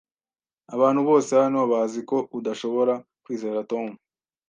Abantu bose hano bazi ko udashobora kwizera Tom.